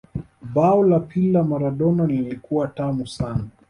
bao la pili la Maradona lilikuwa tamu sana